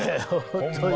ホントに。